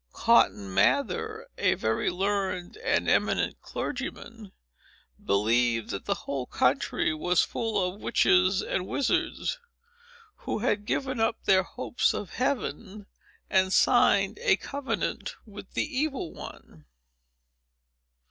Cotton Mather, a very learned and eminent clergyman, believed that the whole country was full of witches and wizards, who had given up their hopes of heaven, and signed a covenant with the Evil One.